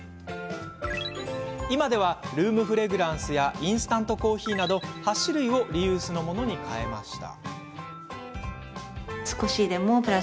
今ではルームフレグランスやインスタントコーヒーなど８種類をリユースのものに変えました。